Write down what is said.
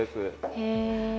へえ！